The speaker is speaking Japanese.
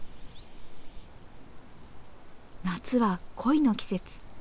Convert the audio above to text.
夏は恋の季節。